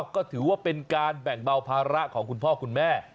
ก็ถือว่าเป็นการแบ่งเบาภาระของคุณพ่อคุณแม่